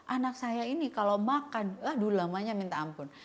anak saya ini kalau makan aduh lamanya minta ampun